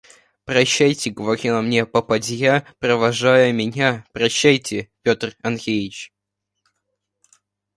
«Прощайте, – говорила мне попадья, провожая меня, – прощайте, Петр Андреич.